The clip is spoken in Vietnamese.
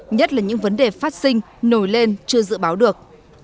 nhất là những vấn đề phát sinh nổi lên chưa dự báo được